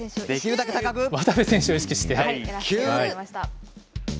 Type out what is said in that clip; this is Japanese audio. できるだけ高く。